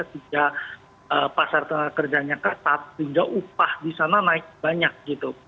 sehingga pasar tenaga kerjanya ketat sehingga upah di sana naik banyak gitu